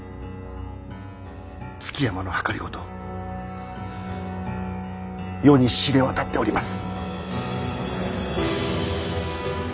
築山の謀世に知れ渡っております。